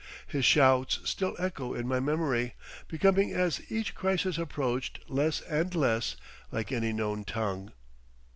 His shouts still echo in my memory, becoming as each crisis approached less and less like any known tongue.